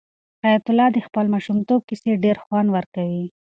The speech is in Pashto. حیات الله ته د خپل ماشومتوب کیسې ډېر خوند ورکوي.